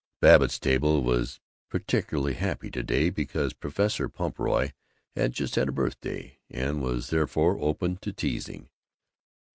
Babbitt's table was particularly happy to day, because Professor Pumphrey had just had a birthday, and was therefore open to teasing.